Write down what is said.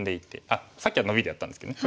あっさっきはノビでやったんですけどね。